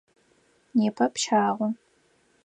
Непэ пщагъо.